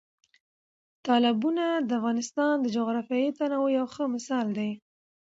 تالابونه د افغانستان د جغرافیوي تنوع یو ښه مثال دی.